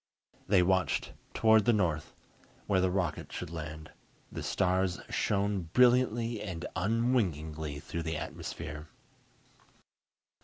They watched toward the north, where the rocket should land. The stars shone brilliantly and unwinkingly through the atmosphere.